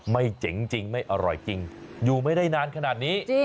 เจ๋งจริงไม่อร่อยจริงอยู่ไม่ได้นานขนาดนี้